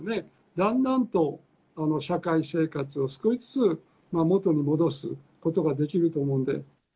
だんだんと社会生活を少しずつ元に戻すことができると思うので。